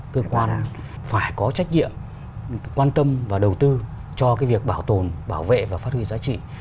cơ quan phải có trách nhiệm quan tâm và đầu tư cho cái việc bảo tồn bảo vệ và phát huy giá trị